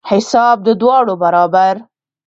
حساب د دواړو برابر.